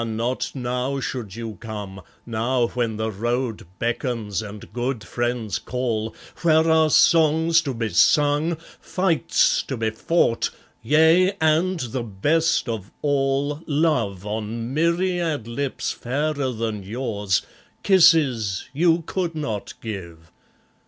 not now should you come, now when the road beckons, and good friends call, Where are songs to be sung, fights to be fought, yea! and the best of all, Love, on myriad lips fairer than yours, kisses you could not give!